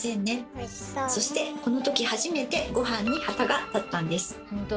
そしてこのとき初めてごはんに旗が立ったんです。